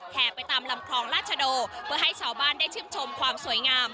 ไปตามลำคลองราชโดเพื่อให้ชาวบ้านได้ชื่นชมความสวยงาม